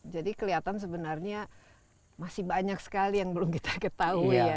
jadi kelihatan sebenarnya masih banyak sekali yang belum kita ketahui ya